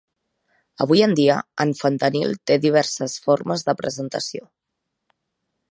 Avui en dia, en fentanil té diverses formes de presentació.